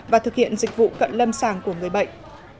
và thực hiện dịch vụ cận lâm sàng của người bệnh